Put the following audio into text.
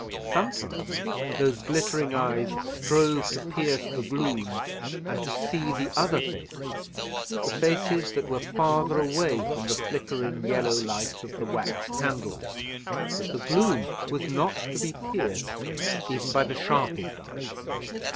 Sometimes those glittering eyes strove to pierce the gloom, and to see the other faces, the faces that were farther away from the flickering yellow light of the wax candles; but the gloom was not to be pierced even by the sharpest eyes.